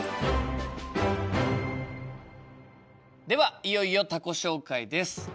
ではいよいよ他己紹介です。